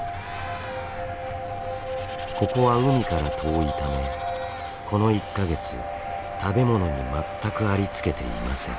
ここは海から遠いためこの１か月食べ物に全くありつけていません。